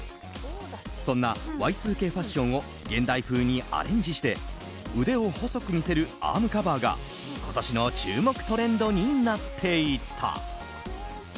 そんなＹ２Ｋファッションを現代風にアレンジして腕を細く見せるアームカバーが今年の注目トレンドになっていた。